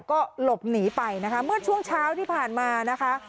ก็หลบหนีไปนะคะเมื่อช่วงเช้าที่ผ่านมานะคะ